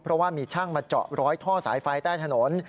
เพราะว่ามีช่างมาเจาะร้อยท่อสายไฟใต้ถนน